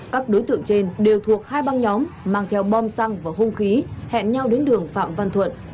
các đối tượng trên đều thuộc hai băng nhóm mang theo bom xăng và hung khí hẹn nhau đến đường phạm văn thuận